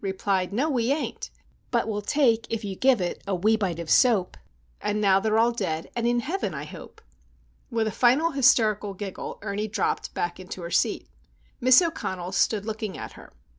replied, "No, we ain't; But we'll take, if you'll give it, a wee bite of soap!" And now they're all dead, and in heaven, I hope. With a final, hysterical giggle, Ernie dropped back into her seat. Miss O'Connell stood looking at her.